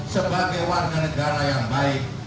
sebagai warga negara yang baik